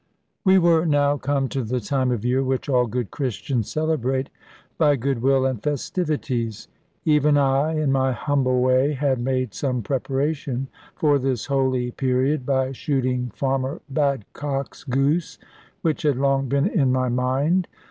We were now come to the time of year which all good Christians celebrate by goodwill and festivities. Even I, in my humble way, had made some preparation for this holy period by shooting Farmer Badcock's goose; which had long been in my mind.